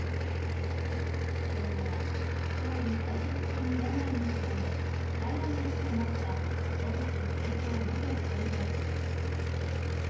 父親は、総理在職中に病に倒れ帰らぬ人となった小渕恵三元総理大臣です。